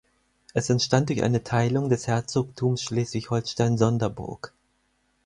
Es entstand durch eine Teilung des Herzogtums Schleswig-Holstein-Sonderburg.